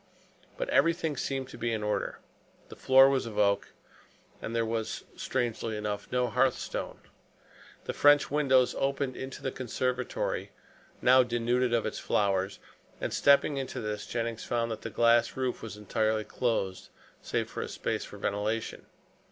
But everything seemed to be in order. The floor was of oak, and there was strangely enough no hearth stone. The French windows opened into the conservatory, now denuded of its flowers, and stepping into this Jennings found that the glass roof was entirely closed, save for a space for ventilation.